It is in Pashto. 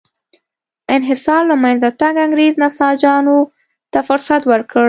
انحصار له منځه تګ انګرېز نساجانو ته فرصت ورکړ.